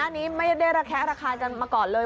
ก่อนหน้านี้ไม่ได้ระแฆกรากี้กันมาก่อนเลย